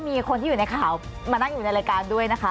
มีคนที่อยู่ในข่าวมานั่งอยู่ในรายการด้วยนะคะ